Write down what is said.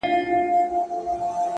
o زما له زړه څخه غمونه ولاړ سي.